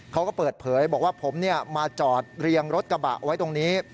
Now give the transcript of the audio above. เขาก็เปิดเผยบอกว่าผมมาจอดเรียงรถกระบะไว้ตรงนี้